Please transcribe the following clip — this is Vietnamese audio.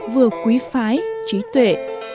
vừa quý phái trí tuệ